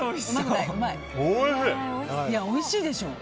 おいしいでしょう。